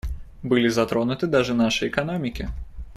Были затронуты даже наши экономики.